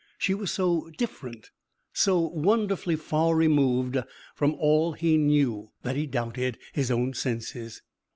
She was so different, so wonderfully far removed from all he knew, that he doubted his own senses.